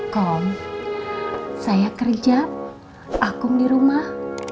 kom saya kerja akum di rumah